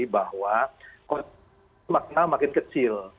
bahwa kondisi makna makin kecil